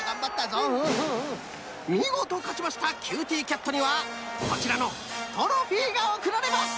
みごとかちましたキューティーキャットにはこちらのトロフィーがおくられます！